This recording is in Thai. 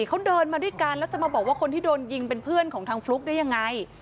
เขาเดินมาด้วยกันแล้วจะมาบอกว่าคนที่โดนยิงเป็นเพื่อนของทางฟลุ๊กได้ยังไง